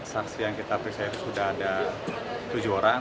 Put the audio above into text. saya pikir sudah ada tujuh orang